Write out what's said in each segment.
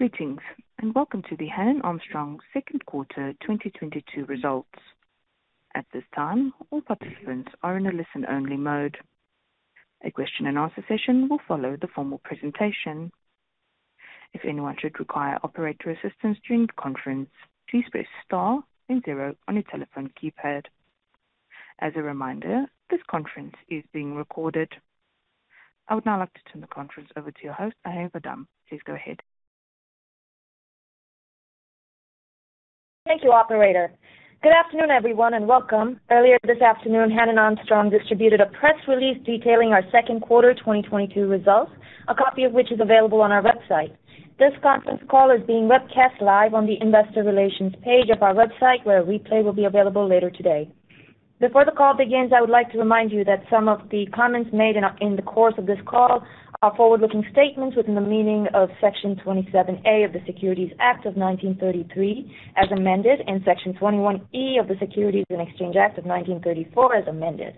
Greetings, and welcome to the Hannon Armstrong Second Quarter 2022 Results. At this time, all participants are in a listen-only mode. A question and answer session will follow the formal presentation. If anyone should require operator assistance during the conference, please press star then zero on your telephone keypad. As a reminder, this conference is being recorded. I would now like to turn the conference over to your host, Neha Gaddam. Please go ahead. Thank you, operator. Good afternoon, everyone, and welcome. Earlier this afternoon, Hannon Armstrong distributed a press release detailing our second quarter 2022 results, a copy of which is available on our website. This conference call is being webcast live on the Investor Relations page of our website, where a replay will be available later today. Before the call begins, I would like to remind you that some of the comments made in the course of this call are forward-looking statements within the meaning of section 27A of the Securities Act of 1933 as amended and section 21E of the Securities Exchange Act of 1934 as amended.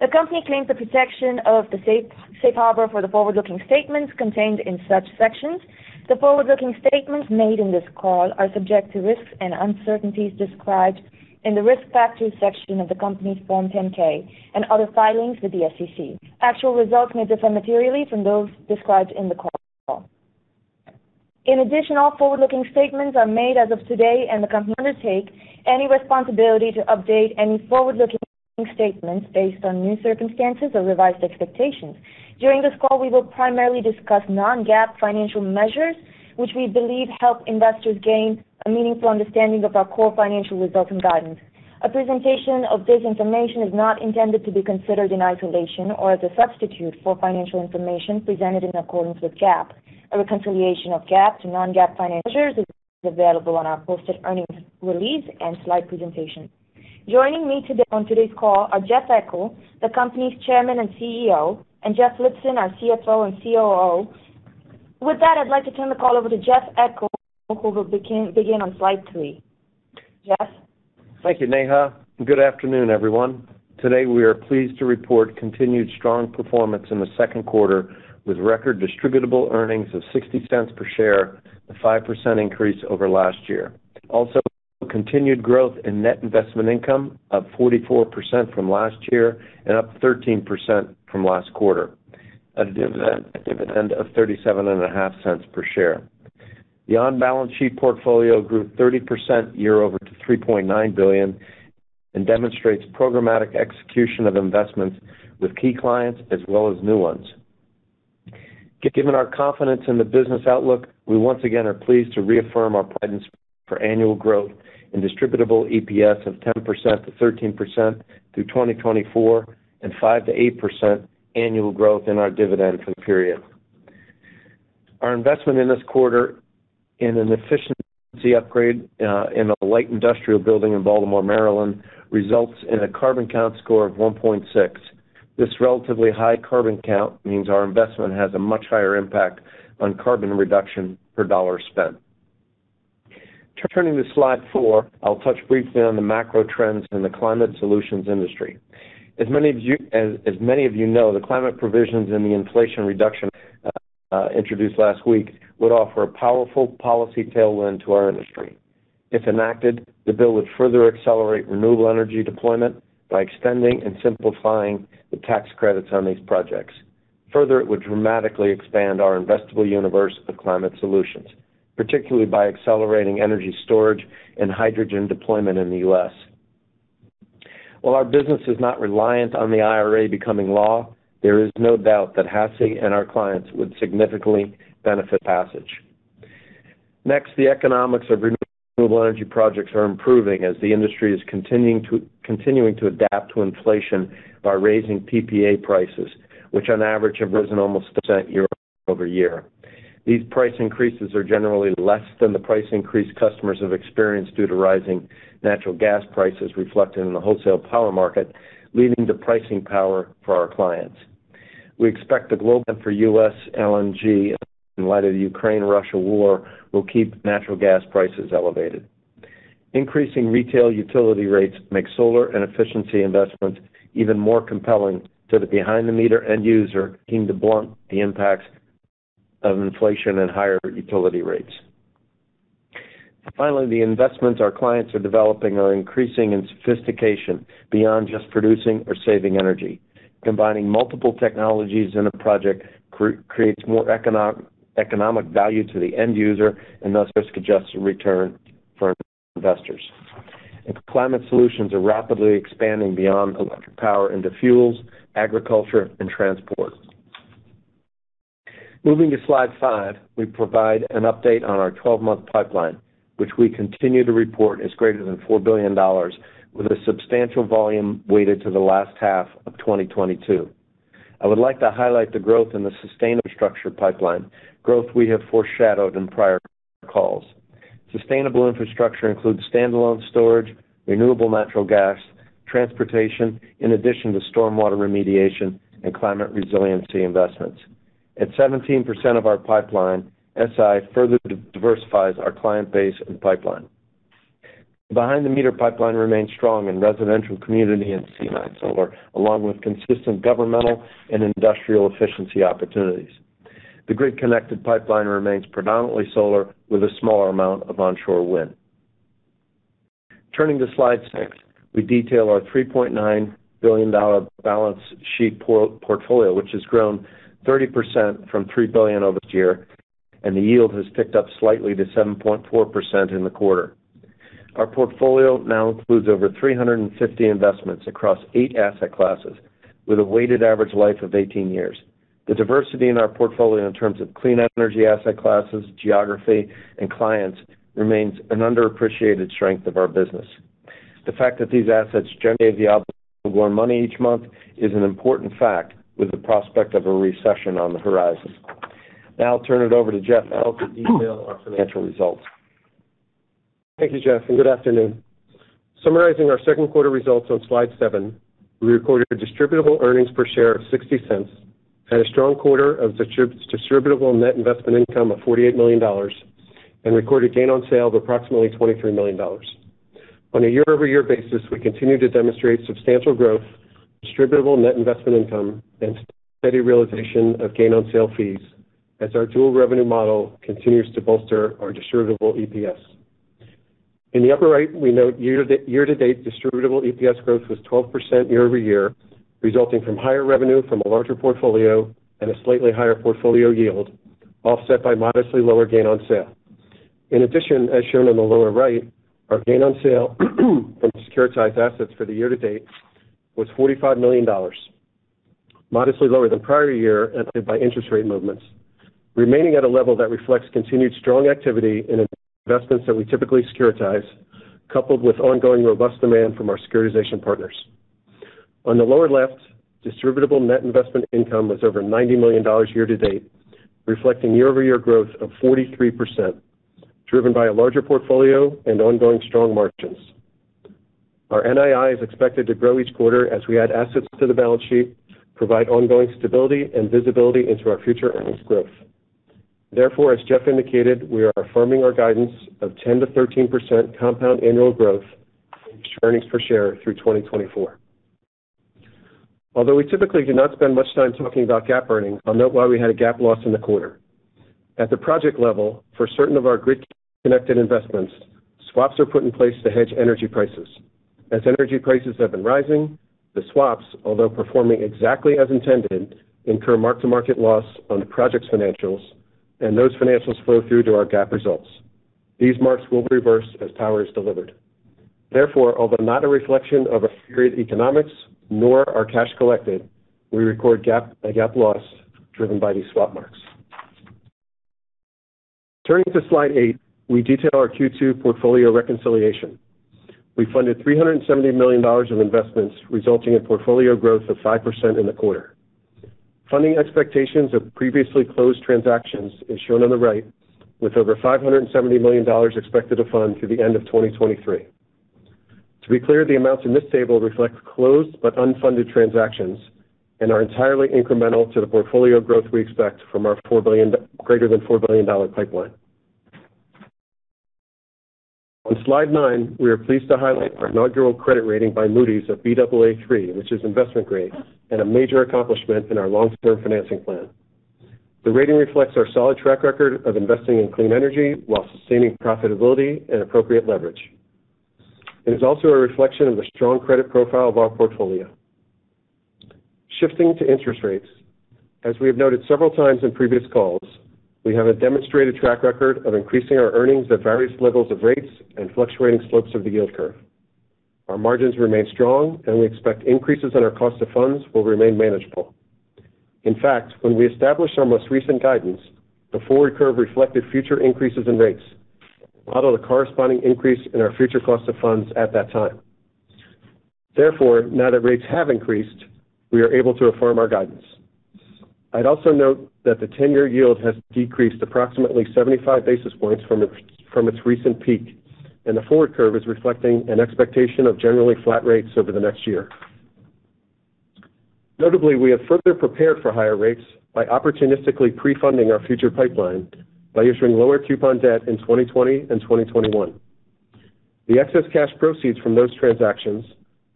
The company claims the protection of the safe harbor for the forward-looking statements contained in such sections. The forward-looking statements made in this call are subject to risks and uncertainties described in the Risk Factors section of the company's Form 10-K and other filings with the SEC. Actual results may differ materially from those described in the call. In addition, all forward-looking statements are made as of today, and the company does not undertake any responsibility to update any forward-looking statements based on new circumstances or revised expectations. During this call, we will primarily discuss non-GAAP financial measures, which we believe help investors gain a meaningful understanding of our core financial results and guidance. A presentation of this information is not intended to be considered in isolation or as a substitute for financial information presented in accordance with GAAP. A reconciliation of GAAP to non-GAAP financials is available on our posted earnings release and slide presentation. Joining me today on today's call are Jeff Eckel, the company's chairman and CEO, and Jeff Lipson, our CFO and COO. With that, I'd like to turn the call over to Jeff Eckel, who will begin on slide three. Jeff? Thank you, Neha. Good afternoon, everyone. Today, we are pleased to report continued strong performance in the second quarter with record distributable earnings of $0.60 per share, a 5% increase over last year. Also, continued growth in net investment income, up 44% from last year and up 13% from last quarter. A dividend of $0.375 per share. The on-balance-sheet portfolio grew 30% year-over-year to $3.9 billion and demonstrates programmatic execution of investments with key clients as well as new ones. Given our confidence in the business outlook, we once again are pleased to reaffirm our guidance for annual growth in distributable EPS of 10%-13% through 2024 and 5%-8% annual growth in our dividend for the period. Our investment in this quarter in an efficiency upgrade in a light industrial building in Baltimore, Maryland, results in a CarbonCount score of 1.6. This relatively high CarbonCount means our investment has a much higher impact on carbon reduction per dollar spent. Turning to slide four, I'll touch briefly on the macro trends in the climate solutions industry. As many of you know, the climate provisions in the Inflation Reduction introduced last week would offer a powerful policy tailwind to our industry. If enacted, the bill would further accelerate renewable energy deployment by extending and simplifying the tax credits on these projects. Further, it would dramatically expand our investable universe of climate solutions, particularly by accelerating energy storage and hydrogen deployment in the U.S. While our business is not reliant on the IRA becoming law, there is no doubt that HASI and our clients would significantly benefit from passage. Next, the economics of renewable energy projects are improving as the industry is continuing to adapt to inflation by raising PPA prices, which on average have risen almost 10% year-over-year. These price increases are generally less than the price increase customers have experienced due to rising natural gas prices reflected in the wholesale power market, leading to pricing power for our clients. We expect the global demand for U.S. LNG in light of the Ukraine-Russia war will keep natural gas prices elevated. Increasing retail utility rates make solar and efficiency investments even more compelling to the behind the meter end user seeking to blunt the impacts of inflation and higher utility rates. Finally, the investments our clients are developing are increasing in sophistication beyond just producing or saving energy. Combining multiple technologies in a project creates more economic value to the end user and thus risk-adjusted return for investors. Climate solutions are rapidly expanding beyond electric power into fuels, agriculture, and transport. Moving to slide five, we provide an update on our 12-month pipeline, which we continue to report is greater than $4 billion with a substantial volume weighted to the last half of 2022. I would like to highlight the growth in the sustainable infrastructure pipeline, growth we have foreshadowed in prior calls. Sustainable infrastructure includes standalone storage, renewable natural gas, transportation, in addition to stormwater remediation and climate resiliency investments. At 17% of our pipeline, SI further diversifies our client base and pipeline. Behind the meter pipeline remains strong in residential community and C&I solar, along with consistent governmental and industrial efficiency opportunities. The grid-connected pipeline remains predominantly solar with a smaller amount of onshore wind. Turning to slide six, we detail our $3.9 billion balance sheet portfolio, which has grown 30% from $3 billion over this year, and the yield has picked up slightly to 7.4% in the quarter. Our portfolio now includes over 350 investments across eight asset classes with a weighted average life of 18 years. The diversity in our portfolio in terms of clean energy asset classes, geography, and clients remains an underappreciated strength of our business. The fact that these assets generate more money each month is an important fact with the prospect of a recession on the horizon. Now I'll turn it over to Jeff Lipson to detail our financial results. Thank you, Jeff, and good afternoon. Summarizing our second quarter results on slide seven, we recorded distributable earnings per share of $0.60 and a strong quarter of distributable net investment income of $48 million and recorded gain on sale of approximately $23 million. On a year-over-year basis, we continue to demonstrate substantial growth, distributable net investment income, and steady realization of gain on sale fees as our dual revenue model continues to bolster our distributable EPS. In the upper right, we note year-to-date distributable EPS growth was 12% year-over-year, resulting from higher revenue from a larger portfolio and a slightly higher portfolio yield, offset by modestly lower gain on sale. In addition, as shown on the lower right, our gain on sale from securitized assets for the year-to-date was $45 million, modestly lower than prior year affected by interest rate movements. Remaining at a level that reflects continued strong activity in investments that we typically securitize, coupled with ongoing robust demand from our securitization partners. On the lower left, distributable net investment income was over $90 million year to date, reflecting year-over-year growth of 43%, driven by a larger portfolio and ongoing strong margins. Our NII is expected to grow each quarter as we add assets to the balance sheet, provide ongoing stability and visibility into our future earnings growth. Therefore, as Jeff indicated, we are affirming our guidance of 10%-13% compound annual growth in earnings per share through 2024. Although we typically do not spend much time talking about GAAP earnings, I'll note why we had a GAAP loss in the quarter. At the project level, for certain of our grid-connected investments, swaps are put in place to hedge energy prices. As energy prices have been rising, the swaps, although performing exactly as intended, incur mark-to-market loss on the project's financials, and those financials flow through to our GAAP results. These marks will reverse as power is delivered. Therefore, although not a reflection of a period economics nor our cash collected, we record a GAAP loss driven by these swap marks. Turning to slide eight, we detail our Q2 portfolio reconciliation. We funded $370 million of investments, resulting in portfolio growth of 5% in the quarter. Funding expectations of previously closed transactions is shown on the right, with over $570 million expected to fund through the end of 2023. To be clear, the amounts in this table reflect closed but unfunded transactions and are entirely incremental to the portfolio growth we expect from our greater than $4 billion pipeline. On slide nine, we are pleased to highlight our inaugural credit rating by Moody's of Baa3, which is investment-grade and a major accomplishment in our long-term financing plan. The rating reflects our solid track record of investing in clean energy while sustaining profitability and appropriate leverage. It is also a reflection of the strong credit profile of our portfolio. Shifting to interest rates, as we have noted several times in previous calls, we have a demonstrated track record of increasing our earnings at various levels of rates and fluctuating slopes of the yield curve. Our margins remain strong, and we expect increases in our cost of funds will remain manageable. In fact, when we established our most recent guidance, the forward curve reflected future increases in rates, modeled the corresponding increase in our future cost of funds at that time. Therefore, now that rates have increased, we are able to affirm our guidance. I'd also note that the ten-year yield has decreased approximately 75 basis points from its recent peak, and the forward curve is reflecting an expectation of generally flat rates over the next year. Notably, we have further prepared for higher rates by opportunistically pre-funding our future pipeline by issuing lower coupon debt in 2020 and 2021. The excess cash proceeds from those transactions,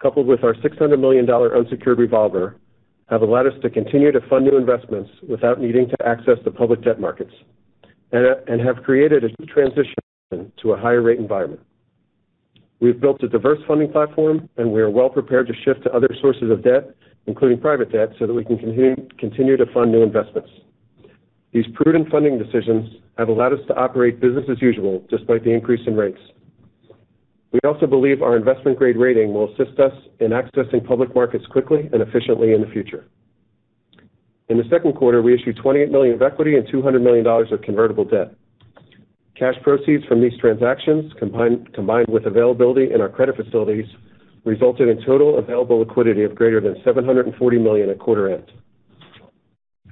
coupled with our $600 million unsecured revolver, have allowed us to continue to fund new investments without needing to access the public debt markets and have created a transition to a higher rate environment. We've built a diverse funding platform, and we are well prepared to shift to other sources of debt, including private debt, so that we can continue to fund new investments. These prudent funding decisions have allowed us to operate business as usual despite the increase in rates. We also believe our investment-grade rating will assist us in accessing public markets quickly and efficiently in the future. In the second quarter, we issued $28 million of equity and $200 million of convertible debt. Cash proceeds from these transactions, combined with availability in our credit facilities, resulted in total available liquidity of greater than $740 million at quarter end.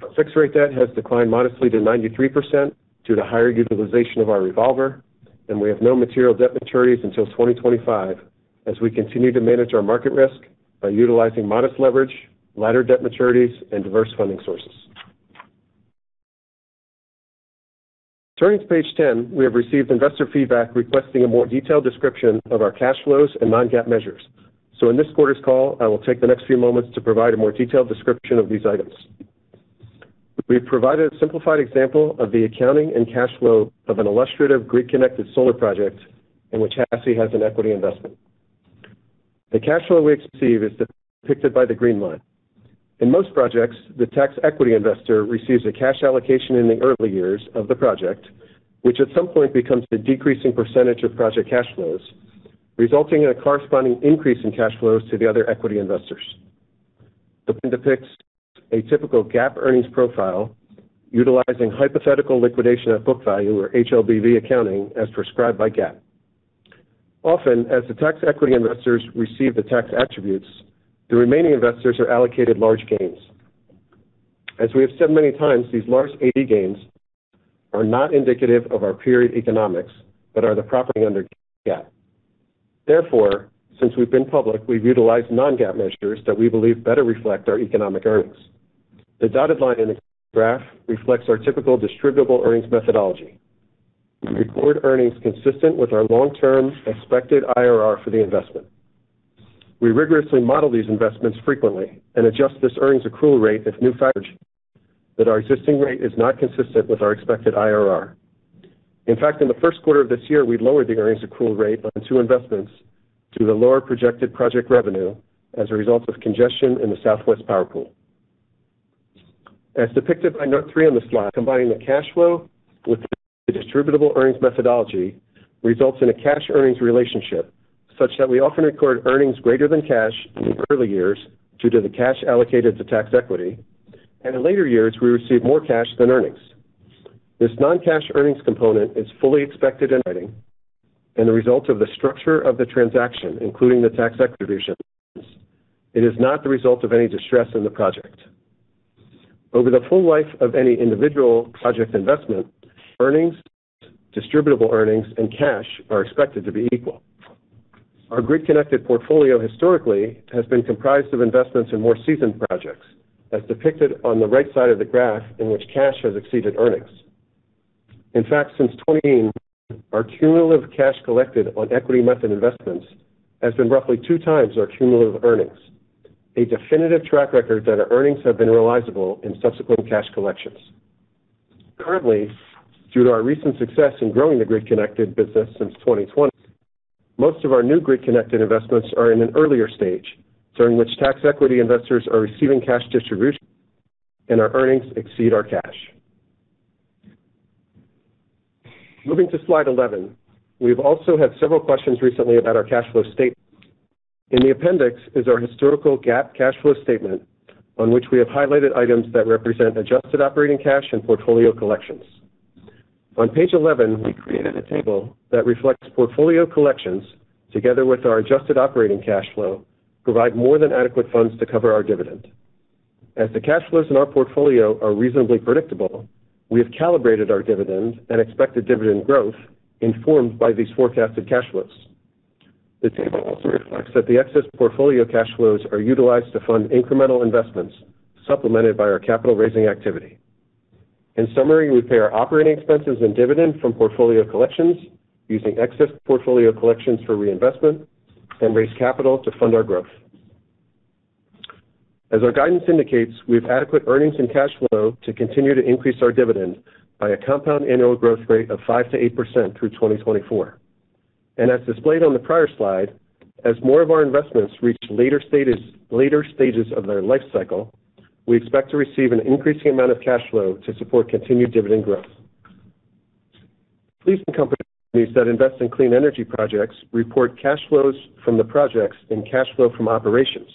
Our fixed rate debt has declined modestly to 93% due to higher utilization of our revolver, and we have no material debt maturities until 2025 as we continue to manage our market risk by utilizing modest leverage, lighter debt maturities, and diverse funding sources. Turning to page 10, we have received investor feedback requesting a more detailed description of our cash flows and non-GAAP measures. In this quarter's call, I will take the next few moments to provide a more detailed description of these items. We've provided a simplified example of the accounting and cash flow of an illustrative grid-connected solar project in which HASI has an equity investment. The cash flow we receive is depicted by the green line. In most projects, the tax equity investor receives a cash allocation in the early years of the project, which at some point becomes a decreasing percentage of project cash flows, resulting in a corresponding increase in cash flows to the other equity investors. The blue line depicts a typical GAAP earnings profile utilizing hypothetical liquidation at book value, or HLBV accounting, as prescribed by GAAP. Often, as the tax equity investors receive the tax attributes, the remaining investors are allocated large gains. As we have said many times, these large GAAP gains are not indicative of our period economics, but are the product under GAAP. Therefore, since we've been public, we've utilized non-GAAP measures that we believe better reflect our economic earnings. The dotted line in the graph reflects our typical distributable earnings methodology. We record earnings consistent with our long-term expected IRR for the investment. We rigorously model these investments frequently and adjust this earnings accrual rate if new facts emerge that our existing rate is not consistent with our expected IRR. In fact, in the first quarter of this year, we lowered the earnings accrual rate on two investments due to the lower projected project revenue as a result of congestion in the Southwest Power Pool. As depicted by note three on the slide, combining the cash flow with the distributable earnings methodology results in a cash earnings relationship such that we often record earnings greater than cash in the early years due to the cash allocated to tax equity, and in later years, we receive more cash than earnings. This non-cash earnings component is fully expected and anticipated and the result of the structure of the transaction, including the tax equity terms. It is not the result of any distress in the project. Over the full life of any individual project investment, earnings, distributable earnings, and cash are expected to be equal. Our grid-connected portfolio historically has been comprised of investments in more seasoned projects, as depicted on the right side of the graph in which cash has exceeded earnings. In fact, since 2018, our cumulative cash collected on equity method investments has been roughly 2x our cumulative earnings, a definitive track record that our earnings have been realizable in subsequent cash collections. Currently, due to our recent success in growing the grid-connected business since 2020, most of our new grid-connected investments are in an earlier stage during which tax equity investors are receiving cash distributions and our earnings exceed our cash. Moving to slide 11. We've also had several questions recently about our cash flow statement. In the appendix is our historical GAAP cash flow statement on which we have highlighted items that represent adjusted operating cash and portfolio collections. On page 11, we created a table that reflects portfolio collections together with our adjusted operating cash flow provide more than adequate funds to cover our dividend. As the cash flows in our portfolio are reasonably predictable, we have calibrated our dividends and expected dividend growth informed by these forecasted cash flows. The table also reflects that the excess portfolio cash flows are utilized to fund incremental investments supplemented by our capital raising activity. In summary, we pay our operating expenses and dividend from portfolio collections using excess portfolio collections for reinvestment and raise capital to fund our growth. As our guidance indicates, we have adequate earnings and cash flow to continue to increase our dividend by a compound annual growth rate of 5%-8% through 2024. As displayed on the prior slide, as more of our investments reach later stages of their life cycle, we expect to receive an increasing amount of cash flow to support continued dividend growth. Please be aware that companies that invest in clean energy projects report cash flows from the projects and cash flow from operations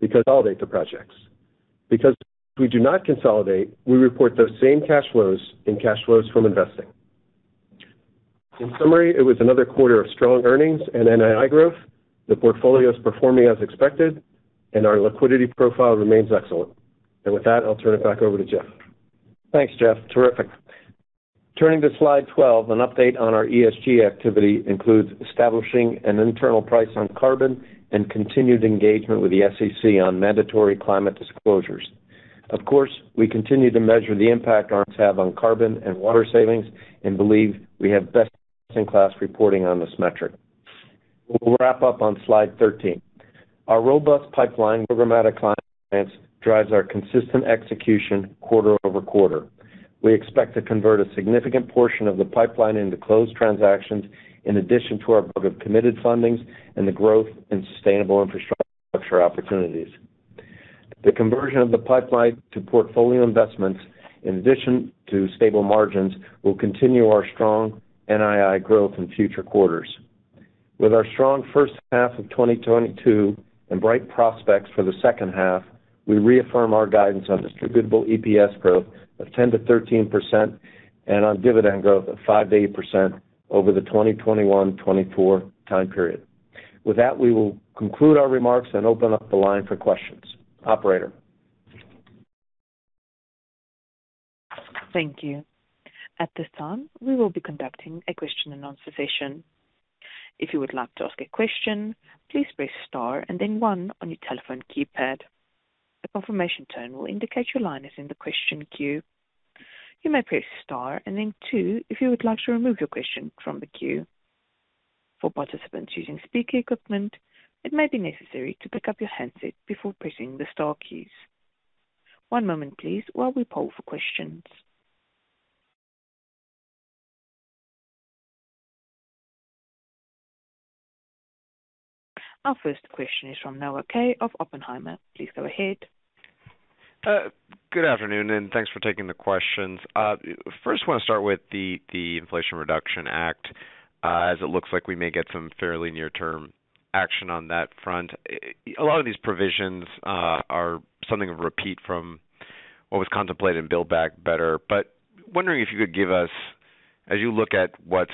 because they consolidate the projects. Because we do not consolidate, we report those same cash flows in cash flows from investing. In summary, it was another quarter of strong earnings and NII growth. The portfolio is performing as expected, and our liquidity profile remains excellent. With that, I'll turn it back over to Jeff. Thanks, Jeff. Terrific. Turning to slide 12, an update on our ESG activity includes establishing an internal price on carbon and continued engagement with the SEC on mandatory climate disclosures. Of course, we continue to measure the impact our investments have on carbon and water savings and believe we have best-in-class reporting on this metric. We'll wrap up on slide 13. Our robust pipeline and programmatic compliance drives our consistent execution quarter-over-quarter. We expect to convert a significant portion of the pipeline into closed transactions in addition to our book of committed fundings and the growth in sustainable infrastructure opportunities. The conversion of the pipeline to portfolio investments in addition to stable margins will continue our strong NII growth in future quarters. With our strong first half of 2022 and bright prospects for the second half, we reaffirm our guidance on distributable EPS growth of 10%-13% and on dividend growth of 5%-8% over the 2021-2024 time period. With that, we will conclude our remarks and open up the line for questions. Operator? Thank you. At this time, we will be conducting a question and answer session. If you would like to ask a question, please press star and then one on your telephone keypad. A confirmation tone will indicate your line is in the question queue. You may press star and then two if you would like to remove your question from the queue. For participants using speaker equipment, it may be necessary to pick up your handset before pressing the star keys. One moment please while we poll for questions. Our first question is from Noah Kaye of Oppenheimer. Please go ahead. Good afternoon, and thanks for taking the questions. First want to start with the Inflation Reduction Act, as it looks like we may get some fairly near-term action on that front. A lot of these provisions are something of a repeat from what was contemplated in Build Back Better. Wondering if you could give us, as you look at what's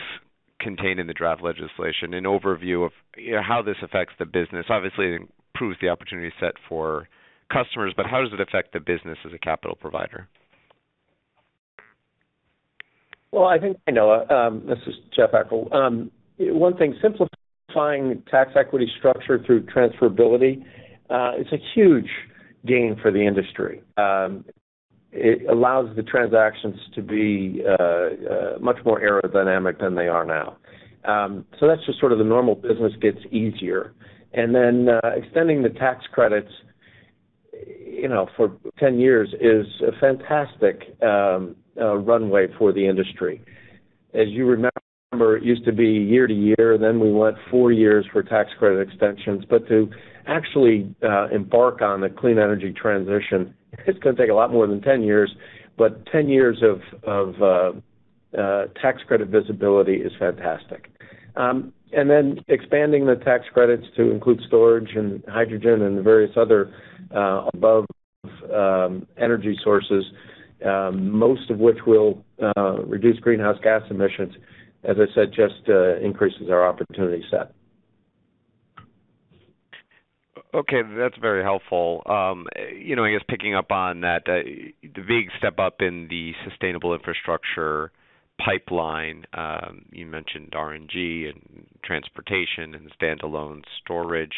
contained in the draft legislation, an overview of, you know, how this affects the business. Obviously, it improves the opportunity set for customers, but how does it affect the business as a capital provider? Well, I think, Noah, this is Jeff Eckel. One thing, simplifying tax equity structure through transferability, it's a huge gain for the industry. It allows the transactions to be much more aerodynamic than they are now. That's just sort of the normal business gets easier. Extending the tax credits, you know, for 10 years is a fantastic runway for the industry. As you remember, it used to be year to year, then we went four years for tax credit extensions. To actually embark on the clean energy transition, it's gonna take a lot more than 10 years. 10 years of tax credit visibility is fantastic. Expanding the tax credits to include storage and hydrogen and various other above energy sources, most of which will reduce greenhouse gas emissions, as I said, just increases our opportunity set. Okay, that's very helpful. You know, I guess picking up on that, the big step up in the sustainable infrastructure pipeline, you mentioned RNG and transportation and standalone storage.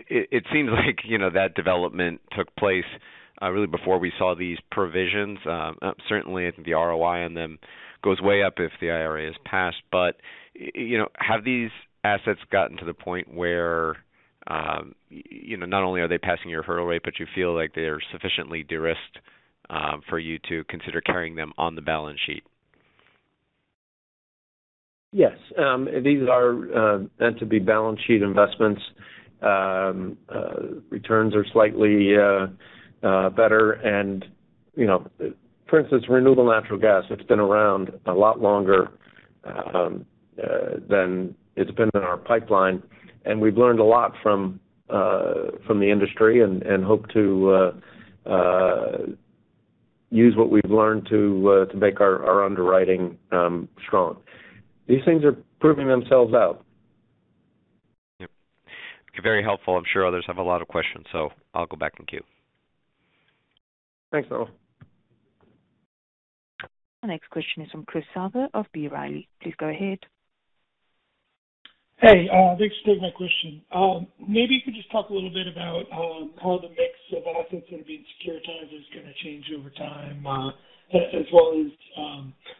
It seems like, you know, that development took place really before we saw these provisions. Certainly the ROI on them goes way up if the IRA is passed. You know, have these assets gotten to the point where, you know, not only are they passing your hurdle rate, but you feel like they're sufficiently de-risked for you to consider carrying them on the balance sheet? Yes. These are meant to be balance sheet investments. Returns are slightly better. You know, for instance, renewable natural gas, it's been around a lot longer than it's been in our pipeline. We've learned a lot from the industry and hope to use what we've learned to make our underwriting strong. These things are proving themselves out. Yep. Very helpful. I'm sure others have a lot of questions, so I'll go back in queue. Thanks, Noah. Our next question is from Chris Dendrinos of B. Riley. Please go ahead. Hey, thanks for taking my question. Maybe you could just talk a little bit about how the mix of assets that are being securitized is gonna change over time, as well as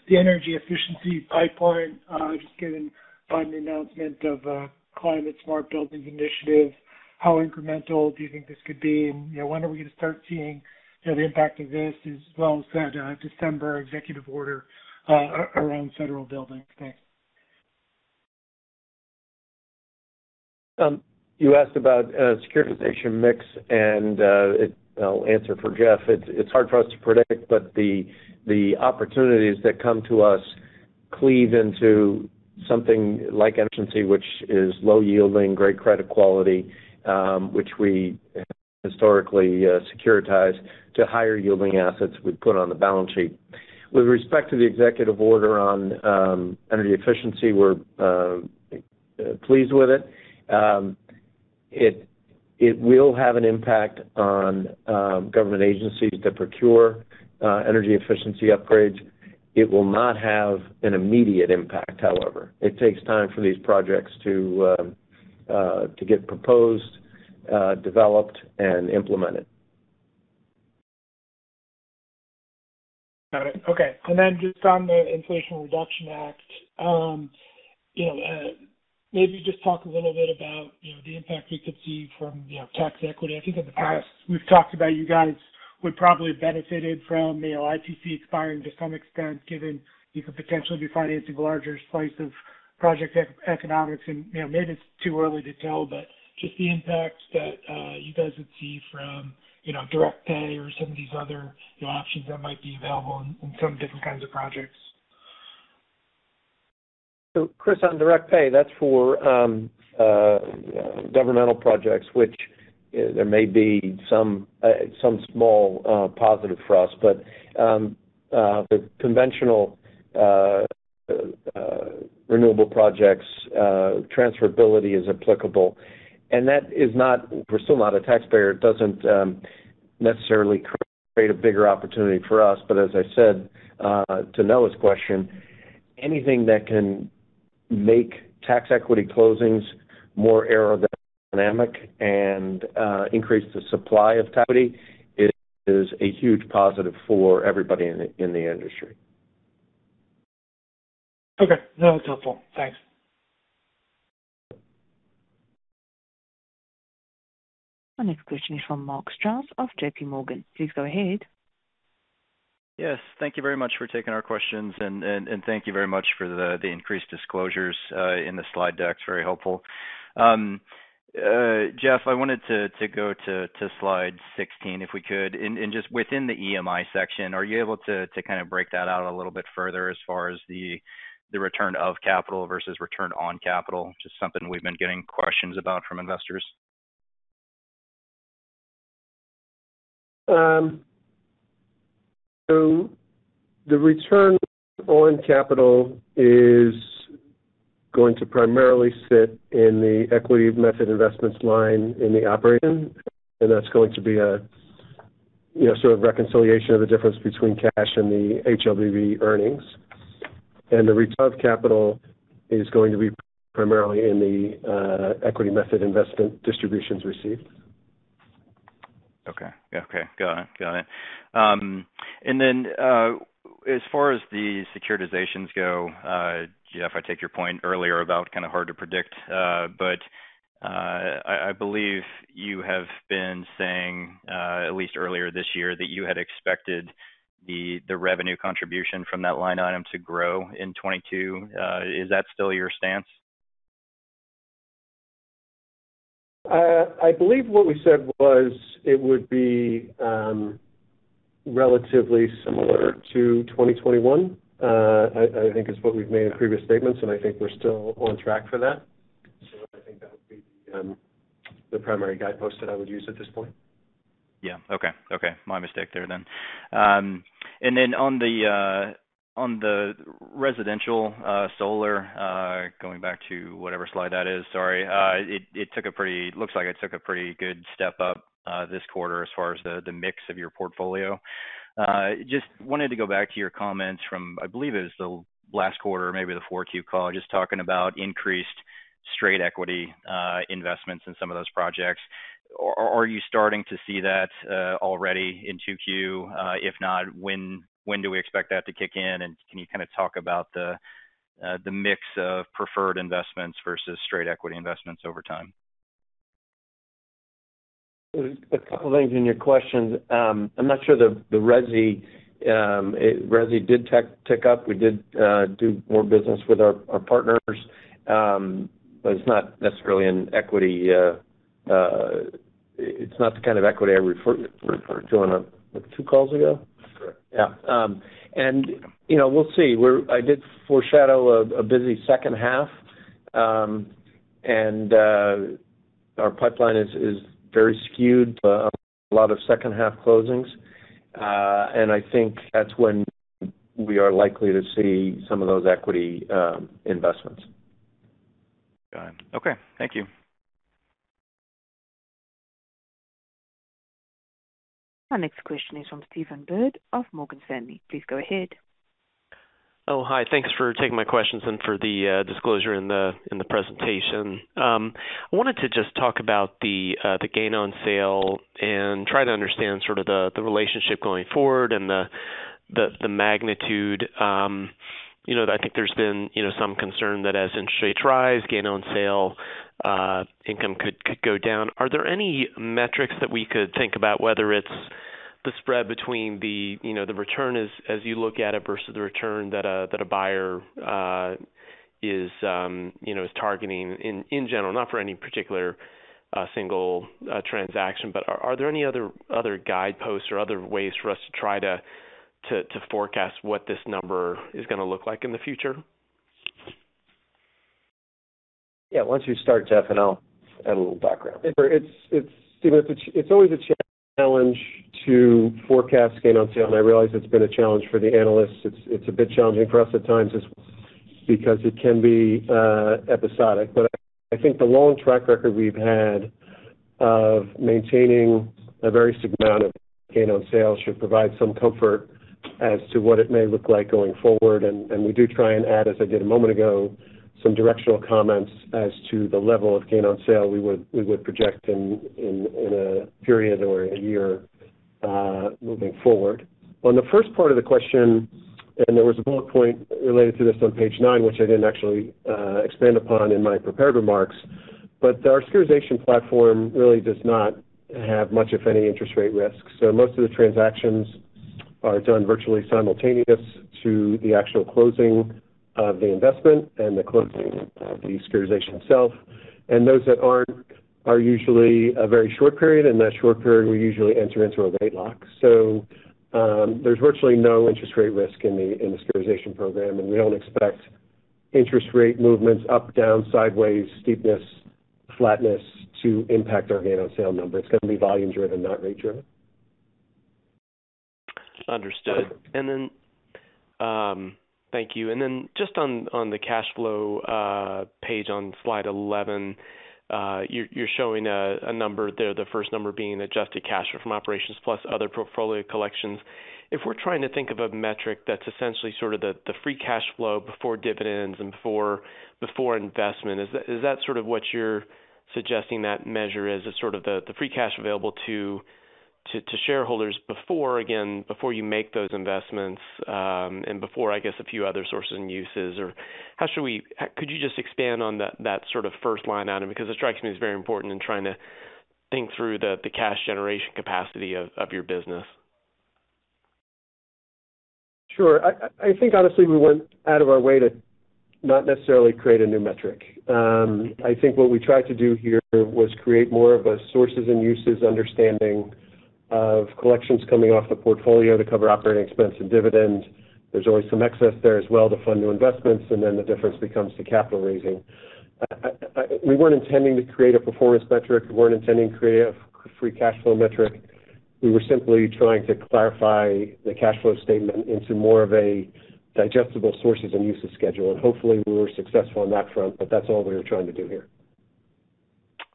the energy efficiency pipeline. Just given on the announcement of a Climate Smart Buildings Initiative, how incremental do you think this could be? You know, when are we gonna start seeing, you know, the impact of this as well as that December executive order around federal buildings? Thanks. You asked about securitization mix. I'll answer for Jeff. It's hard for us to predict, but the opportunities that come to us cleave into something like energy, which is low yielding, great credit quality, which we historically securitize to higher yielding assets we put on the balance sheet. With respect to the executive order on energy efficiency, we're pleased with it. It will have an impact on government agencies to procure energy efficiency upgrades. It will not have an immediate impact, however. It takes time for these projects to get proposed, developed and implemented. Got it. Okay. Just on the Inflation Reduction Act, you know, maybe just talk a little bit about, you know, the impact we could see from, you know, tax equity. I think in the past we've talked about you guys would probably benefited from, you know, ITC expiring to some extent, given you could potentially be financing a larger slice of project economics. You know, maybe it's too early to tell, but just the impact that you guys would see from, you know, direct pay or some of these other, you know, options that might be available in some different kinds of projects. Chris, on direct pay, that's for governmental projects, which there may be some small positive for us. The conventional renewable projects, transferability is applicable. That is not we're still not a taxpayer. It doesn't necessarily create a bigger opportunity for us. As I said to Noah's question, anything that can make tax equity closings more aerodynamic and increase the supply of tax equity is a huge positive for everybody in the industry. Okay. No, it's helpful. Thanks. Our next question is from Mark Strouse of JPMorgan. Please go ahead. Yes. Thank you very much for taking our questions and thank you very much for the increased disclosures in the slide deck. It's very helpful. Jeff, I wanted to go to slide 16 if we could. Just within the EMI section, are you able to kind of break that out a little bit further as far as the return of capital versus return on capital? Just something we've been getting questions about from investors. The return on capital is going to primarily sit in the equity method investments line in the operating, and that's going to be a, you know, sort of reconciliation of the difference between cash and the HLBV earnings. The return of capital is going to be primarily in the equity method investment distributions received. Okay. Yeah, okay. Got it. And then, as far as the securitizations go, Jeff, I take your point earlier about kind of hard to predict, but I believe you have been saying, at least earlier this year, that you had expected the revenue contribution from that line item to grow in 2022. Is that still your stance? I believe what we said was it would be relatively similar to 2021. I think that's what we've said in previous statements, and I think we're still on track for that. I think that would be the primary guidepost that I would use at this point. Yeah. Okay. Okay. My mistake there then. And then on the residential solar, going back to whatever slide that is, sorry, it took a pretty good step up this quarter as far as the mix of your portfolio. Just wanted to go back to your comments from, I believe it was the last quarter or maybe the Q4 call, just talking about increased straight equity investments in some of those projects. Are you starting to see that already in Q2? If not, when do we expect that to kick in, and can you kinda talk about the mix of preferred investments versus straight equity investments over time? A couple things in your question. I'm not sure the resi did tick up. We did do more business with our partners. It's not necessarily an equity. It's not the kind of equity I referred to on what two calls ago? Correct. Yeah. You know, we'll see. I did foreshadow a busy second half. Our pipeline is very skewed to a lot of second half closings. I think that's when we are likely to see some of those equity investments. Got it. Okay. Thank you. Our next question is from Stephen Byrd of Morgan Stanley. Please go ahead. Oh, hi. Thanks for taking my questions and for the disclosure in the presentation. I wanted to just talk about the gain on sale and try to understand sort of the relationship going forward and the magnitude. You know, I think there's been you know, some concern that as interest rates rise, gain on sale income could go down. Are there any metrics that we could think about, whether it's the spread between you know, the return as you look at it versus the return that a buyer is you know, targeting in general? Not for any particular single transaction, but are there any other guideposts or other ways for us to try to forecast what this number is gonna look like in the future? Yeah. Why don't you start, Jeff, and I'll add a little background. Stephen, it's always a challenge to forecast gain on sale. I realize it's been a challenge for the analysts. It's a bit challenging for us at times as well because it can be episodic. I think the long track record we've had of maintaining a very significant amount of gain on sale should provide some comfort as to what it may look like going forward. We do try and add, as I did a moment ago, some directional comments as to the level of gain on sale we would project in a period or a year moving forward. On the first part of the question, there was a bullet point related to this on page nine, which I didn't actually expand upon in my prepared remarks, but our securitization platform really does not have much of any interest rate risk. Most of the transactions are done virtually simultaneous to the actual closing of the investment and the closing of the securitization itself. Those that aren't are usually a very short period. In that short period, we usually enter into a rate lock. There's virtually no interest rate risk in the securitization program, and we don't expect interest rate movements up, down, sideways, steepness, flatness to impact our gain on sale number. It's gonna be volume driven, not rate driven. Understood. Thank you. Just on the cash flow page on slide 11, you're showing a number there, the first number being adjusted cash from operations plus other portfolio collections. If we're trying to think of a metric that's essentially sort of the free cash flow before dividends and before investment, is that sort of what you're suggesting that measure is? It's sort of the free cash available to shareholders before, again, before you make those investments, and before, I guess, a few other sources and uses. Could you just expand on that sort of first line item because it strikes me as very important in trying to think through the cash generation capacity of your business. Sure. I think honestly we went out of our way to not necessarily create a new metric. I think what we tried to do here was create more of a sources and uses understanding of collections coming off the portfolio to cover operating expense and dividends. There's always some excess there as well to fund new investments, and then the difference becomes to capital raising. We weren't intending to create a performance metric. We weren't intending to create a free cash flow metric. We were simply trying to clarify the cash flow statement into more of a digestible sources and uses schedule. Hopefully we were successful on that front, but that's all we were trying to do here.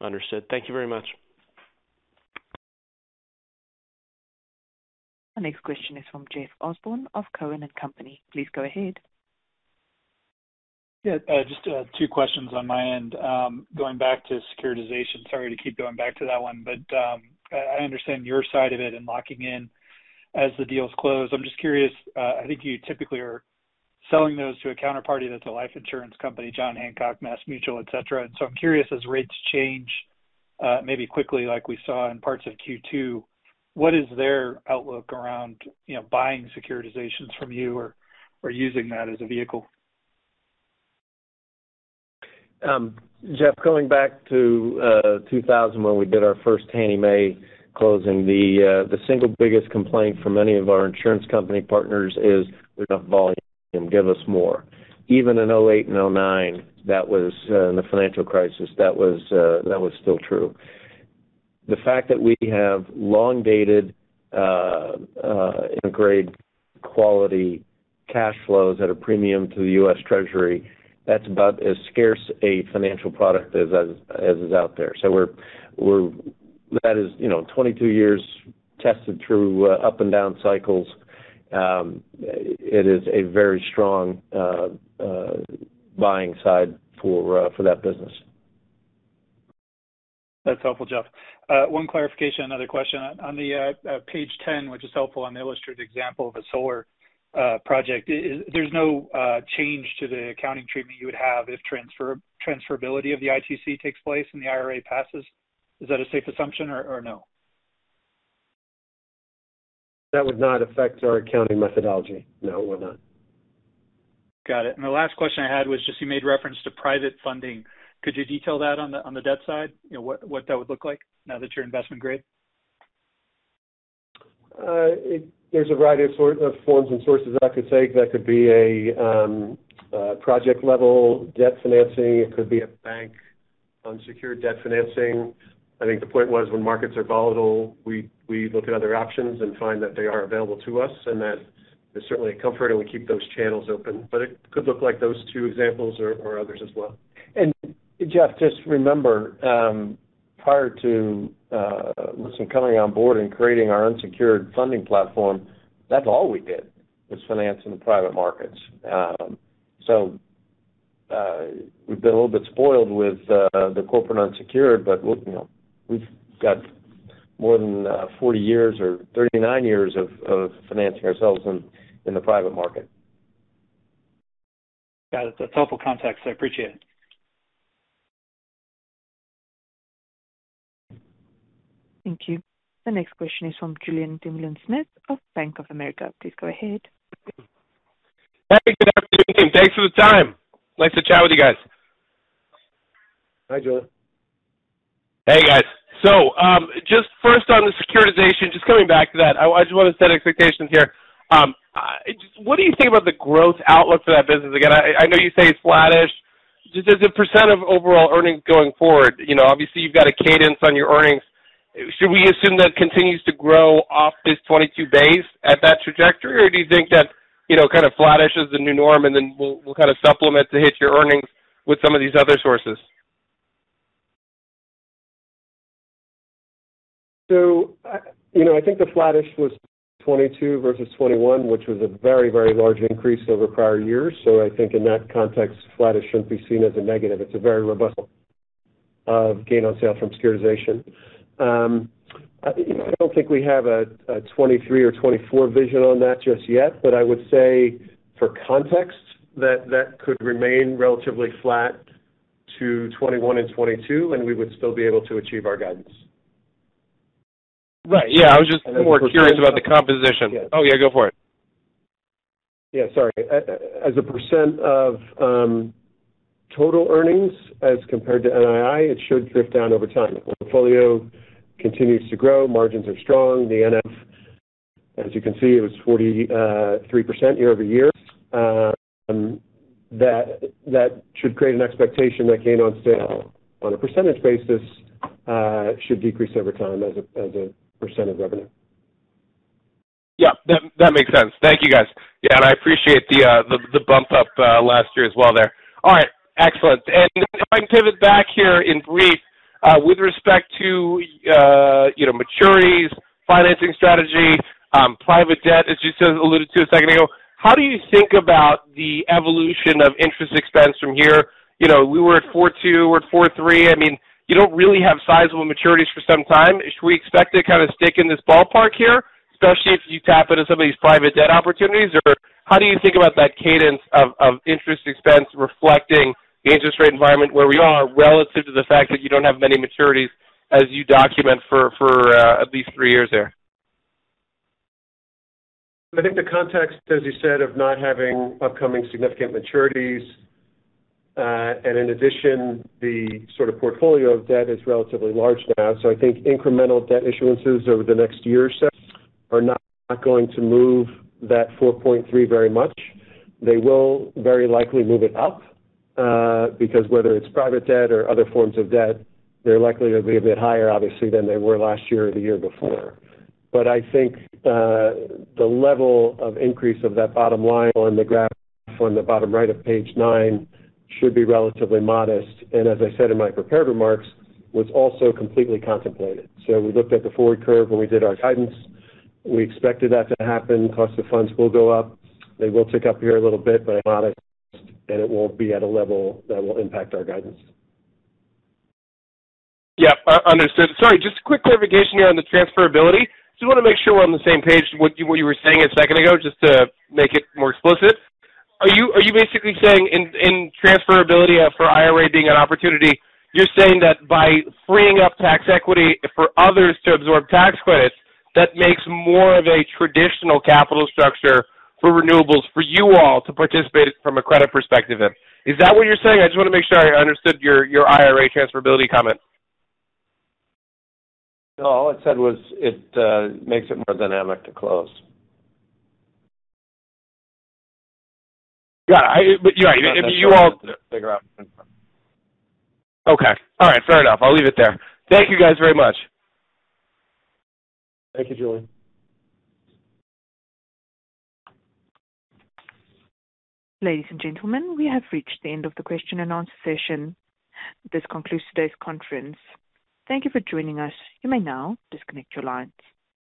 Understood. Thank you very much. Our next question is from Jeff Osborne of Cowen and Company. Please go ahead. Yeah, just two questions on my end. Going back to securitization. Sorry to keep going back to that one, but I understand your side of it and locking in as the deals close. I'm just curious. I think you typically are selling those to a counterparty that's a life insurance company, John Hancock, MassMutual, et cetera. I'm curious, as rates change, maybe quickly like we saw in parts of Q2, what is their outlook around, you know, buying securitizations from you or using that as a vehicle? Jeff, going back to 2000 when we did our first Fannie Mae closing, the single biggest complaint from any of our insurance company partners is we don't have volume. Give us more. Even in 2008 and 2009, that was in the financial crisis, that was still true. The fact that we have long-dated grade quality cash flows at a premium to the U.S. Treasury, that's about as scarce a financial product as is out there. That is, you know, 22 years tested through up and down cycles. It is a very strong buying side for that business. That's helpful, Jeff. One clarification, another question. On the page 10, which is helpful on the illustrated example of a solar project, there's no change to the accounting treatment you would have if transferability of the ITC takes place and the IRA passes. Is that a safe assumption or no? That would not affect our accounting methodology. No, it would not. Got it. The last question I had was just you made reference to private funding. Could you detail that on the debt side? You know, what that would look like now that you're investment grade? There's a variety of forms and sources I could say. That could be a project level debt financing. It could be a bank unsecured debt financing. I think the point was when markets are volatile, we look at other options and find that they are available to us and that it's certainly a comfort and we keep those channels open. It could look like those two examples or others as well. Jeff, just remember, prior to Lipson coming on board and creating our unsecured funding platform, that's all we did was finance in the private markets. So, we've been a little bit spoiled with the corporate unsecured, but, look, you know, we've got more than 40 years or 39 years of financing ourselves in the private market. Got it. That's helpful context. I appreciate it. Thank you. The next question is from Julien Dumoulin-Smith of Bank of America. Please go ahead. Hey, good afternoon team. Thanks for the time. Nice to chat with you guys. Hi, Julien. Hey, guys. Just first on the securitization, just coming back to that, I just want to set expectations here. Just what do you think about the growth outlook for that business? Again, I know you say it's flattish. Just as a percent of overall earnings going forward, you know, obviously you've got a cadence on your earnings. Should we assume that continues to grow off this 22 base at that trajectory? Or do you think that, you know, kind of flattish is the new norm and then we'll kind of supplement to hit your earnings with some of these other sources? You know, I think the flattish was 2022 versus 2021, which was a very, very large increase over prior years. I think in that context, flattish shouldn't be seen as a negative. It's a very robust of gain on sale from securitization. I don't think we have a 2023 or 2024 vision on that just yet, but I would say for context that that could remain relatively flat to 2021 and 2022, and we would still be able to achieve our guidance. Right. Yeah, I was just more curious about the composition. Oh, yeah, go for it. Yeah, sorry. As a percent of total earnings as compared to NII, it should drift down over time. The portfolio continues to grow, margins are strong. The NII, as you can see, it was 43% year-over-year. That should create an expectation that gain on sale, on a percentage basis, should decrease over time as a percent of revenue. Yeah. That makes sense. Thank you, guys. Yeah, and I appreciate the bump up last year as well there. All right. Excellent. If I can pivot back here in brief, with respect to maturities, financing strategy, private debt, as you alluded to a second ago, how do you think about the evolution of interest expense from here? We were at 4.2%, we're at 4.3%. I mean, you don't really have sizable maturities for some time. Should we expect it to kind of stick in this ballpark here, especially if you tap into some of these private debt opportunities? How do you think about that cadence of interest expense reflecting the interest rate environment where we are relative to the fact that you don't have many maturities as you document for at least three years there? I think the context, as you said, of not having upcoming significant maturities, and in addition, the sort of portfolio of debt is relatively large now. I think incremental debt issuances over the next year or so are not going to move that 4.3 very much. They will very likely move it up, because whether it's private debt or other forms of debt, they're likely to be a bit higher, obviously, than they were last year or the year before. I think, the level of increase of that bottom line on the graph on the bottom right of page nine should be relatively modest, and as I said in my prepared remarks, was also completely contemplated. We looked at the forward curve when we did our guidance. We expected that to happen. Cost of funds will go up. They will tick up here a little bit, but it won't be at a level that will impact our guidance. Yeah. Understood. Sorry, just a quick clarification here on the transferability. Just wanna make sure we're on the same page with what you were saying a second ago, just to make it more explicit. Are you basically saying in transferability for IRA being an opportunity, you're saying that by freeing up tax equity for others to absorb tax credits, that makes more of a traditional capital structure for renewables for you all to participate from a credit perspective in. Is that what you're saying? I just wanna make sure I understood your IRA transferability comment. No, all I said was it makes it more dynamic to close. Yeah. Yeah, I mean, you all- Figure out. Okay. All right. Fair enough. I'll leave it there. Thank you guys very much. Thank you, Julien. Ladies and gentlemen, we have reached the end of the question and answer session. This concludes today's conference. Thank you for joining us. You may now disconnect your lines.